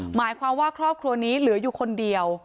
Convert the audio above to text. หมายความว่าครอบครัวนี้เหลืออยู่คนเดียว